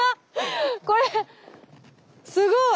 これすごい！